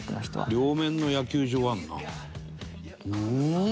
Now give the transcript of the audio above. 「両面の野球場があるな」